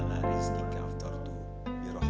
batalin puasa udah maghrib